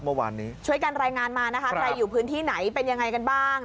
เมื่อวานนี้ช่วยกันรายงานมานะคะใครอยู่พื้นที่ไหนเป็นยังไงกันบ้าง